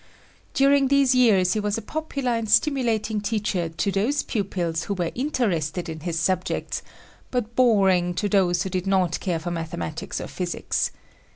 During these years he was a popular and stimulating teacher to those pupils who were interested in his subjects but boring to those who did not care for mathematics or physics.